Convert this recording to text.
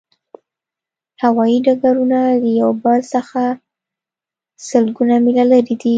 هوایی ډګرونه له یو بل څخه سلګونه میله لرې دي